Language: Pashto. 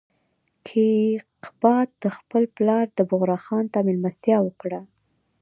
کیقباد خپل پلار بغرا خان ته مېلمستیا وکړه.